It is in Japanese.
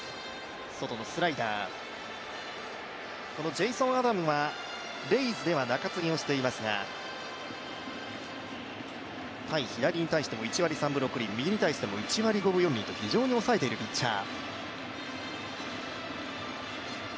ジェイソン・アダムはレイズでは中継ぎをしていますが対左に対しては１割３分６厘、右に対しても１割５分４厘と非常に押さえているピッチャー。